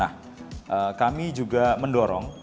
nah kami juga mendorong